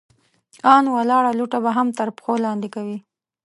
ان ولاړه لوټه به هم تر پښو لاندې کوئ!